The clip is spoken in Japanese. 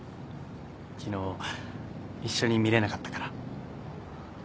昨日一緒に見れなかったから。